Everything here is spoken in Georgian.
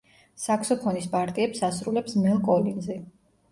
საქსოფონის პარტიებს ასრულებს მელ კოლინზი.